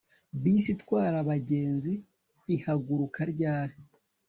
bisi itwara abagenzi ihaguruka ryari